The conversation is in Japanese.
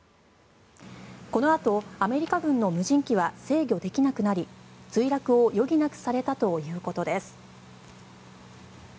このあとアメリカ軍の無人機は制御できなくなり墜落を余儀なくされたということです。